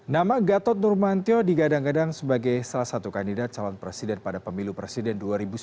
nama gatot nurmantio digadang gadang sebagai salah satu kandidat calon presiden pada pemilu presiden dua ribu sembilan belas